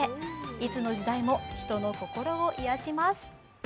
いつの時代も人の心を癒します。